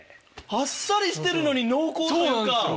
あっさりしてるのに濃厚というか。